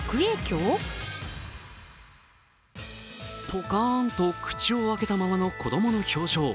ぽかんと口を開けたままの子供の表情。